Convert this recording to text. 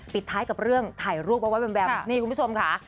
ปิดท้ายกับเรื่องถ่ายรูปเอาไว้แบมนี่คุณผู้ชมค่ะ